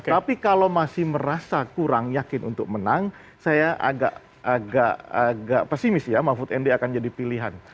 tapi kalau masih merasa kurang yakin untuk menang saya agak pesimis ya mahfud md akan jadi pilihan